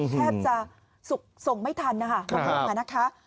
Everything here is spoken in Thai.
แทบจะส่งไม่ทันนะคะมะม่วงค่ะ